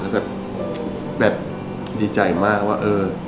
คือแบบดีใจมากว่า